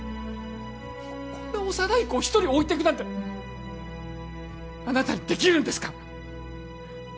こんな幼い子を一人置いてくなんてあなたにできるんですか？